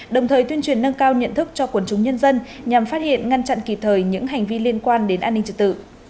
đồng thời tuyên truyền nâng cao nhận thức cho quần chúng nhân dân nhằm phát hiện ngăn chặn kịp thời những hành vi liên quan đến an ninh trật tự